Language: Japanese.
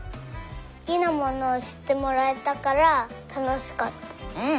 すきなものをしってもらえたからたのしかった。